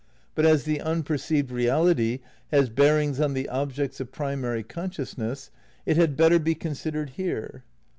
But as the un perceived reality has bearings on the objects of primary consciousness it had better be considered here.